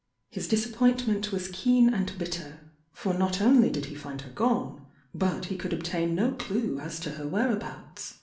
His disappointment was keen and bitter, for not only did he find her gone, but he could obtain no clue as to her whereabouts.